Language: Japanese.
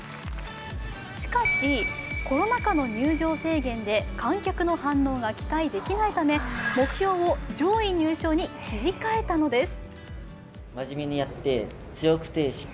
しかし、コロナ禍の入場制限で観客の反応が期待できないため、目標を上位入賞に切り替えたのです。